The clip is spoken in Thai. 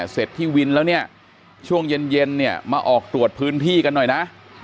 เสร็จที่วินแล้วเนี่ยช่วงเย็นเนี่ยมาออกตรวจพื้นที่กันหน่อยนะ